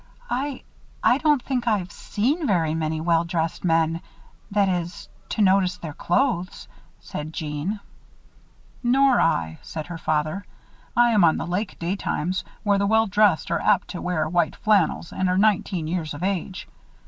"I I don't think I've seen very many well dressed men that is, to notice their clothes," said Jeanne. "Nor I," said her father. "I am on the lake daytimes, where the well dressed are apt to wear white flannels and are nineteen years of age.